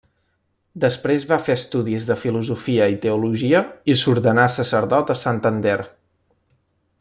Després va fer estudis de filosofia i teologia i s'ordenà sacerdot a Santander.